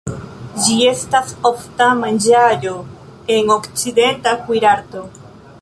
Ĝi estas ofta manĝaĵo en okcidenta kuirarto.